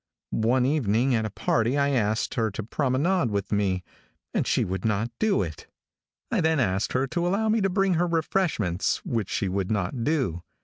One evening at a party I asked her to promenade with me, and she would not do it. I then asked her to allow me to bring her refreshments, which she would not do.